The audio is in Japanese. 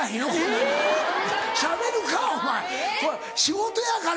えぇ⁉しゃべるかお前仕事やからや！